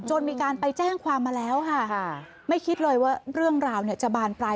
มีการไปแจ้งความมาแล้วค่ะไม่คิดเลยว่าเรื่องราวเนี่ยจะบานปลาย